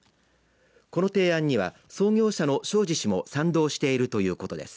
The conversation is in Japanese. この提案には創業者の正史氏も賛同しているということです。